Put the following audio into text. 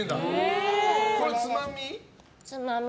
これ、つまみ？